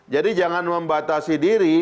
jadi jangan membatasi diri